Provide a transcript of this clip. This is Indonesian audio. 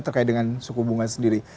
terkait dengan suku bunga sendiri